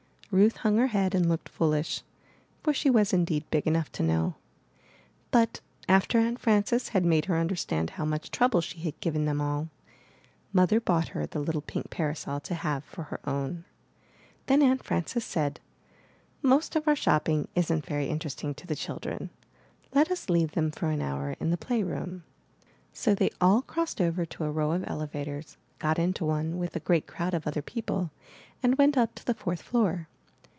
Ruth hung her head and looked foolish, for she was indeed big enough to know. But after Aunt Frances had made her understand how much trouble she had given them all, Mother bought her the little pink parasol to have for her own. Then Aunt Frances said: ''Most of our shopping isn't very interesting to the children. Let us leave them for an hour in the playroom." So they all crossed over to a row of elevators, got into one, with a great crowd of other people, and went up to the fourth floor.